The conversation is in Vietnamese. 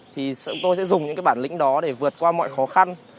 thì tôi sẽ dùng những cái bản lĩnh đó để vượt qua mọi khó khăn